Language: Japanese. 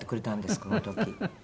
この時。